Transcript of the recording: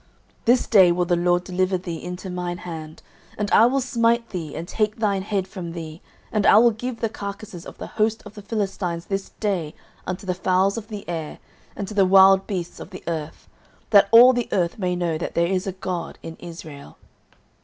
09:017:046 This day will the LORD deliver thee into mine hand; and I will smite thee, and take thine head from thee; and I will give the carcases of the host of the Philistines this day unto the fowls of the air, and to the wild beasts of the earth; that all the earth may know that there is a God in Israel.